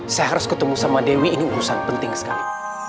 saya harus ketemu sama dewi ini urusan penting sekali